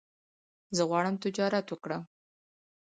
زه غواړم تجارت وکړم